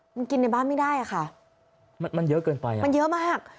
มันกินในบ้านไม่ได้อะค่ะมันมันเยอะเกินไปอ่ะมันเยอะมาก